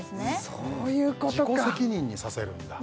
そういうことか自己責任にさせるんだ